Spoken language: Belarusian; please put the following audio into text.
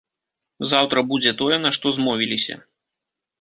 Заўтра будзе тое, на што змовіліся.